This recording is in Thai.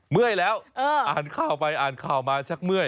เมื่อยแล้วอ่านข่าวไปอ่านข่าวมาชักเมื่อย